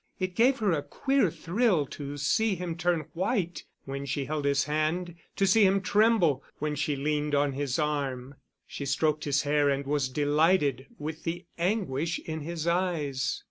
It gave her a queer thrill to see him turn white when she held his hand, to see him tremble when she leaned on his arm. She stroked his hair and was delighted with the anguish in his eyes.